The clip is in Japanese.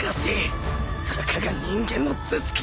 たかが人間の頭突きだぞ